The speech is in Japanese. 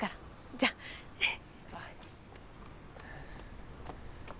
じゃ。あっ。